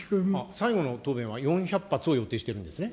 最後の答弁は４００発を予定しているんですね。